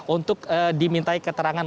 untuk diminta keterangan